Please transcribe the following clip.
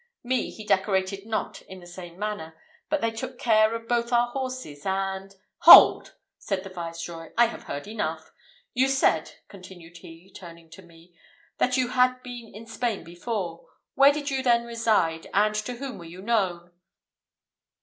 Me he decorated not in the same manner, but they took care of both our horses and " "Hold!" said the Viceroy, "I have heard enough. You said," continued he, turning to me, "that you had been in Spain before. Where did you then reside, and to whom were you known?"